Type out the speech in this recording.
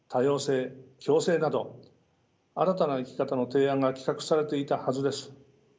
共生など新たな生き方の提案が企画されていたはずです。